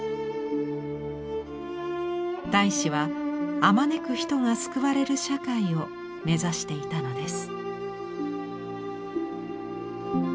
太子はあまねく人が救われる社会を目指していたのです。